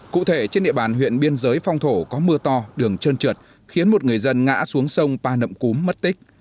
cụ thể trên địa bàn huyện biên giới phong thổ có mưa to đường trơn trượt khiến một người dân ngã xuống sông pa nậm cúm mất tích